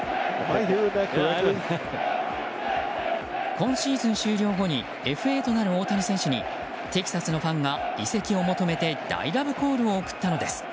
今シーズン終了後にＦＡとなる大谷選手にテキサスのファンが移籍を求めて大ラブコールを送ったのです。